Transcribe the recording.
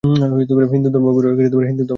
হিন্দু ধর্ম গুরু, দার্শনিক।